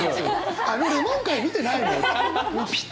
「あのレモン回見てないの？」